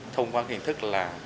thông qua hình thức là